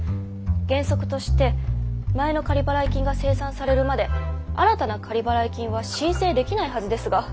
原則として前の仮払い金が精算されるまで新たな仮払い金は申請できないはずですが。